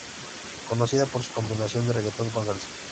Conocida por su combinación de reggaetón con salsa.